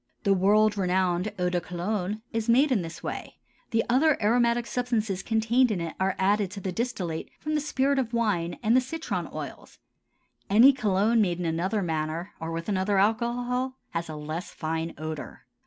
The world renowned eau de Cologne is made in this way; the other aromatic substances contained in it are added to the distillate from the spirit of wine and the citron oils; any cologne made in another manner or with another alcohol has a less fine odor.